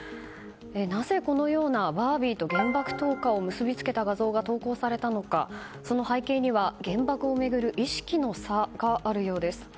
なぜこのようなバービーと原爆投下を結び付けた画像が投稿されたのか、その背景には原爆を巡る意識の差があるようです。